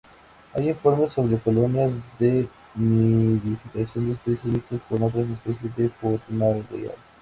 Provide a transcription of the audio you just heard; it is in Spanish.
Hay informes sobre colonias de nidificación de especies mixtas con otras especies de Furnariidae.